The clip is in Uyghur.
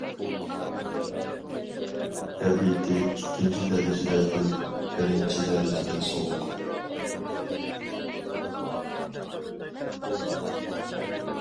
تەبىئىتى ئىككىنچى دەرىجىدە ھۆل، بىرىنچى دەرىجىدە سوغۇق.